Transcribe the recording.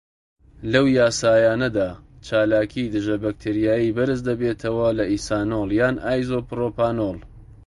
لەو یاسایانەدا، چالاکی دژەبەکتریایی بەرزدەبێتەوە لە ئیثانۆڵ یان ئایزۆپڕۆپانۆڵ.